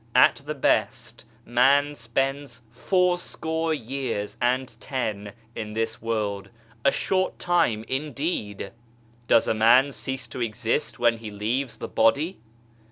At the best, man spends four score years and ten in this world a short time indeed I Does a man cease to exist when he leaves the body